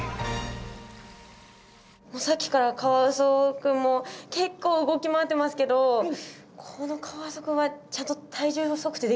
もうさっきからカワウソくんも結構動き回ってますけどこのカワウソくんはちゃんと体重測定できるんですか？